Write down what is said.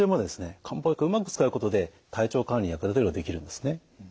漢方薬をうまく使うことで体調管理に役立てることができるんですね。